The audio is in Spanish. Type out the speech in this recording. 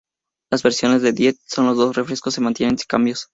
Las versiones de la diet de los dos refrescos se mantienen sin cambios.